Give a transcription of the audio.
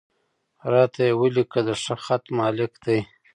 را ته یې ولیکه، د ښه خط مالک دی.